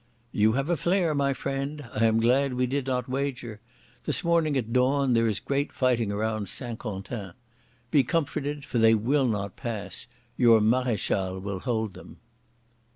"You have a flair, my friend. I am glad we did not wager. This morning at dawn there is great fighting around St Quentin. Be comforted, for they will not pass. Your Maréchal will hold them."